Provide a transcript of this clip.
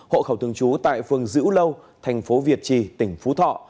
hộ khẩu thường trú tại phường giữ lâu tp việt trì tỉnh phú thọ